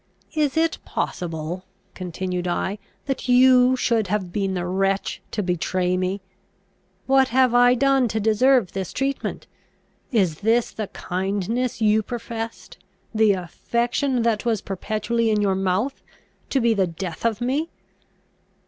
"Is it possible," continued I, "that you should have been the wretch to betray me? What have I done to deserve this treatment? Is this the kindness you professed? the affection that was perpetually in your mouth? to be the death of me!"